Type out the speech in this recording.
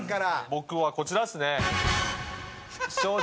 僕はこちらですね。